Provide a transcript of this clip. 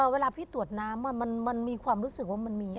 เวลาพี่ตรวจน้ำมันมีความรู้สึกว่ามันมี